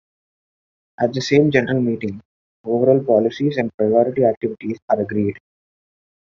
At the same general meeting, overall policies and priority activities are agreed.